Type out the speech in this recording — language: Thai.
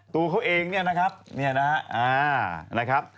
ตูเขาเองนะครับ